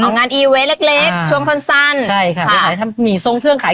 งานอีเวนต์เล็กเล็กช่วงสั้นสั้นใช่ค่ะมีขายทำหมี่ทรงเครื่องขาย